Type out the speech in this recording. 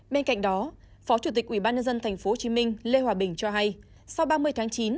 bên cạnh đó phó chủ tịch ubnd tp hcm lê hòa bình cho hay sau ba mươi tháng chín